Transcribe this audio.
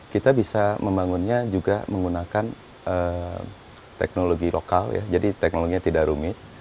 kita bisa membangunnya juga menggunakan teknologi lokal ya jadi teknologinya tidak rumit